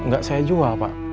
gak saya jual pak